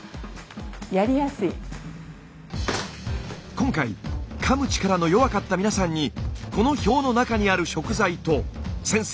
今回かむ力の弱かった皆さんにこの表の中にある食材と先生